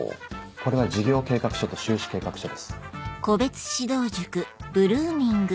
これは事業計画書と収支計画書です。